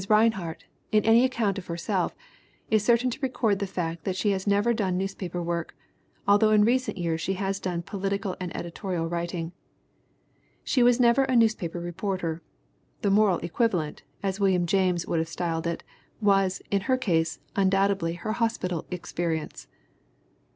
Rinehart, in any account of herself, is certain to record the fact that she has never done newspaper work, although in recent years she has done "political and editorial writing." She was never a newspaper reporter. The "moral equivalent," as William James would have styled it, was, in her case, undoubtedly her hospital experience.